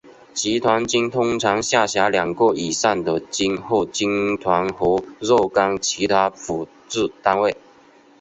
集团军通常下辖两个以上的军或军团和若干其他辅助单位。